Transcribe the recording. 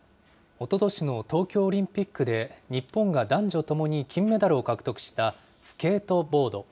おととしの東京オリンピックで、日本が男女ともに金メダルを獲得したスケートボード。